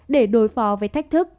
để đối phó với thách thức